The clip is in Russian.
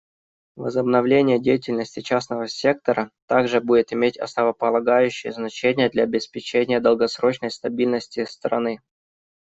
Возобновление деятельности частного сектора также будет иметь основополагающее значение для обеспечения долгосрочной стабильности страны.